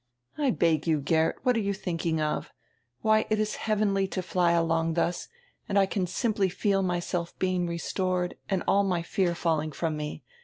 "I beg you, Geert, what are you thinking of? Why, it is heavenly to fly along thus, and I can simply feel myself being restored and all my fear falling from me.